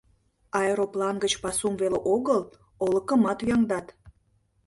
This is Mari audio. — Аэроплан гыч пасум веле огыл, олыкымат ӱяҥдат.